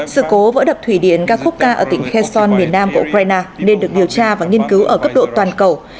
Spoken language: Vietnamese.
sự cố vỡ đập thủy điện kakoka ở tỉnh kherson miền nam của ukraine nên được điều tra và nghiên cứu ở cấp độ toàn cầu